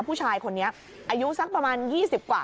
ผู้ชายคนนี้อายุสักประมาณ๒๐กว่า